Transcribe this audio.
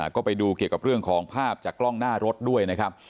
ก็ไปดูเกี่ยวกับเรื่องของภาพจากกล้องหน้ารถด้วยนะครับ